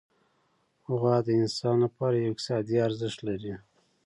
غوا د انسان لپاره یو اقتصادي ارزښت لري.